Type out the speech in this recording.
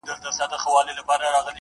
په هدایت د یوې طبقې اجاره نه وي